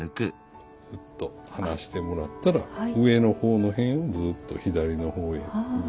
すっと離してもらったら上の方の辺をずっと左の方へ動かして。